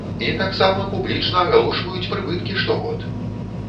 І таксама публічна агалошваюць прыбыткі штогод!